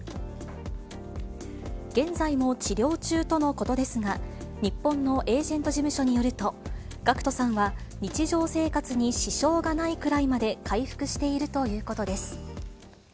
現在も治療中とのことですが、日本のエージェント事務所によると、ＧＡＣＫＴさんは、日常生活に支障がないくらいまで回復しているということです。